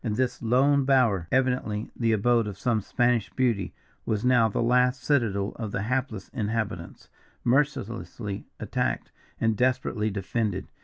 "And this lone bower, evidently the abode of some Spanish beauty, was now the last citadel of the hapless inhabitants, mercilessly attacked and desperately defended.